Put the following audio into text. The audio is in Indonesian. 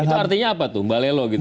itu artinya apa tuh mbalelo gitu ya